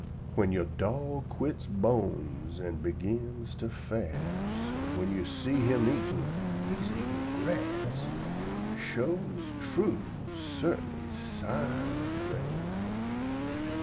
"When yo' dog quits bones an' begins to fas', An' when you see him eatin'; he's eatin' grass: Shoes', trues', cert'nes sign ob rain!"